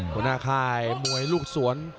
หัวหน้าค่ายมวยลูกสวน